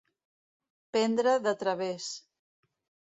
Prendre de través.